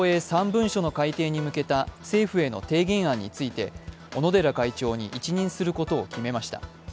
３文書の改定に向けた政府への提言案について小野寺会長に一任することを決めました。